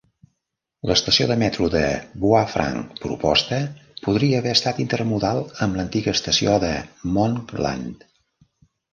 L'estació de metro de "Bois-Franc proposta" podria haver estat intermodal amb l'antiga estació de Monkland.